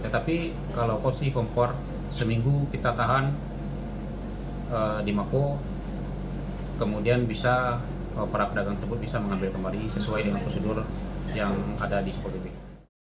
tetapi kalau porsi kompor seminggu kita tahan di mako kemudian bisa para pedagang tersebut bisa mengambil kembali sesuai dengan prosedur yang ada di sebuah titik